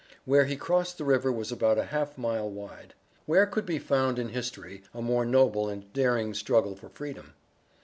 Where he crossed the river was about a half a mile wide. Where could be found in history a more noble and daring struggle for Freedom?